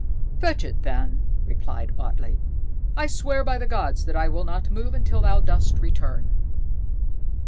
"Fetch it, then," replied Atlé. "I swear by the gods that I will not move until thou dost return."